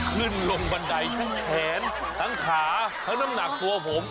ขึ้นลงบันไดทั้งแขนทั้งขาทั้งน้ำหนักตัวผม